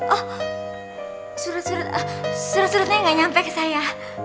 oh surut surutnya gak nyampe ke saya